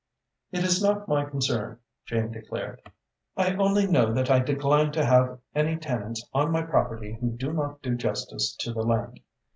"It is not my concern," Jane declared. "I only know that I decline to have any tenants on my property who do not do justice to the land.